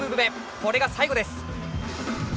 これが最後です。